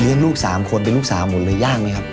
ลูก๓คนเป็นลูกสาวหมดเลยยากไหมครับ